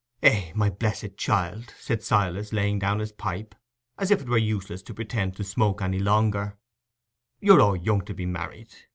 "Eh, my blessed child," said Silas, laying down his pipe as if it were useless to pretend to smoke any longer, "you're o'er young to be married.